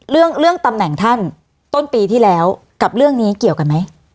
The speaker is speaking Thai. เรื่องเรื่องตำแหน่งท่านต้นปีที่แล้วกับเรื่องนี้เกี่ยวกันไหม